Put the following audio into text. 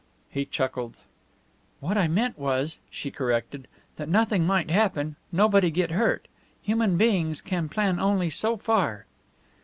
He chuckled. "What I meant was," she corrected, "that nothing might happen, nobody get hurt. Human beings can plan only so far."